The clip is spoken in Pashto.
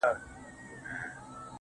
خو اوس د اوښكو سپين ځنځير پر مخ گنډلی